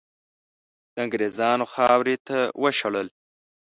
د انګریزانو خاورې ته وشړل.